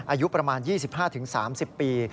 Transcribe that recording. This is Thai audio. อายุประมาณ๒๕๓๐ปี